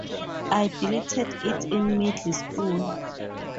I deleted it in middle school.